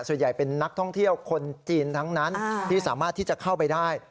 ส่วนใหญ่เป็นนักท่องเที่ยวคนจีนทั้งนั้นที่สามารถที่จะเข้าไปได้